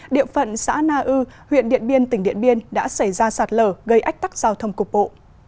địa phận xã na ư huyện điện biên tỉnh điện biên đã xảy ra sạt lở gây ách tắc giao thông cục bộ